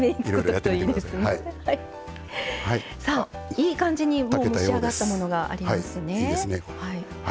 いい感じに蒸しあがったものがありますね。